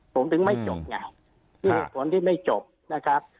ผมถึงไม่จบไงมีเหตุผลที่ไม่จบนะครับ